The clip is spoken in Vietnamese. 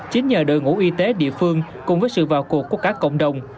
chính nhờ đội ngũ y tế địa phương cùng với sự vào cuộc của các cộng đồng